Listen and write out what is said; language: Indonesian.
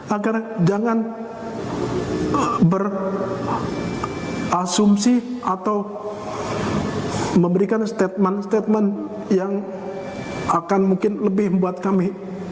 agar jangan berasumsi atau memberikan statement statement yang akan mungkin lebih membuat kami